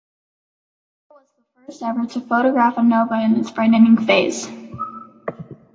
Mayer was the first ever to photograph a nova in its brightening phase.